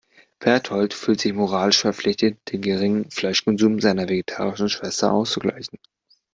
Bertold fühlt sich moralisch verpflichtet, den geringen Fleischkonsum seiner vegetarischen Schwester auszugleichen.